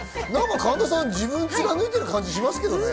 神田さん、自分を貫いてる感じしますけれどね。